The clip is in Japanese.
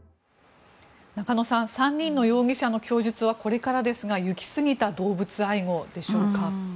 中野さん３人の容疑者の供述はこれからですが行きすぎた動物愛護でしょうか。